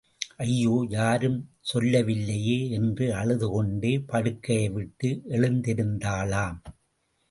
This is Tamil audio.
ஐயோ யாரும் சொல்லவில்லையே, என்று அழுதுகொண்டே படுக்கையை விட்டு எழுந்திருந்தாளாம்.